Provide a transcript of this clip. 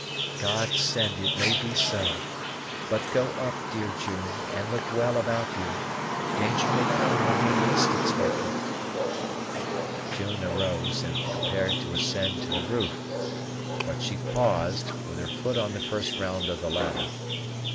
"God send it may be so! but go up, dear June, and look well about you. Danger may come when we least expect it." June arose, and prepared to ascend to the roof; but she paused, with her foot on the first round of the ladder.